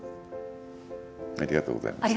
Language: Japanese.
ありがとうございます。